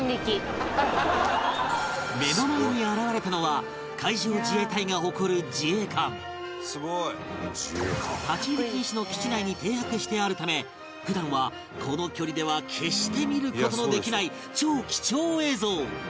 目の前に現れたのは「すごい！」立ち入り禁止の基地内に停泊してあるため普段はこの距離では決して見る事のできない超貴重映像